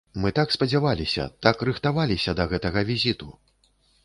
Мы так спадзяваліся, так рыхтаваліся да гэтага візіту!